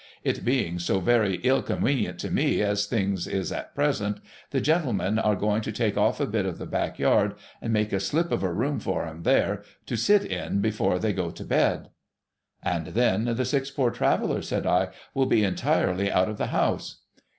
It being so very ill conwenient to me as things is at present, the gentlemen are going to take off a bit of the back yard, and make a slip of a room for 'em there, to sit in before they go to bed.' ' And then the six Poor Travellers,' said I, ' will be entirely out of the house